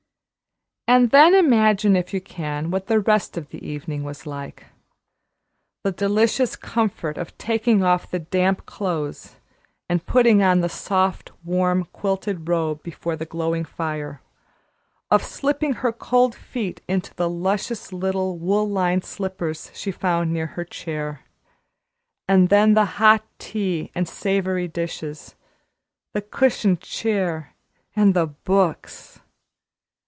And then imagine, if you can, what the rest of the evening was like. The delicious comfort of taking off the damp clothes and putting on the soft, warm, quilted robe before the glowing fire of slipping her cold feet into the luscious little wool lined slippers she found near her chair. And then the hot tea and savory dishes, the cushioned chair and the books!